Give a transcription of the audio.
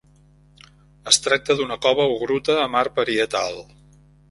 Es tracta d'una cova o gruta amb art parietal.